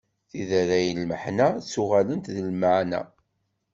Tiderray n lmeḥna ttuɣalent d lmeɛna.